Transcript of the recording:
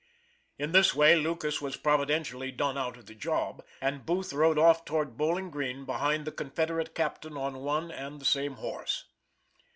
In this way Lucas was providentially done out of the job, and Booth rode off toward Bowling Green behind the confederate captain on one and the same horse.